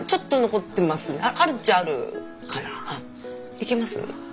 いけます？